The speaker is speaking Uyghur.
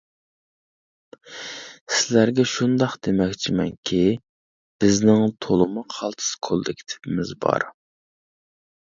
سىلەرگە شۇنداق دېمەكچىمەنكى، بىزنىڭ تولىمۇ قالتىس كوللېكتىپىمىز بار.